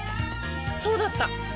そうだった！